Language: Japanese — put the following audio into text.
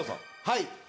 はい。